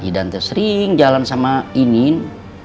idan sering jalan sama inin